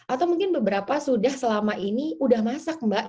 atau mungkin beberapa sudah selama ini udah masak mbak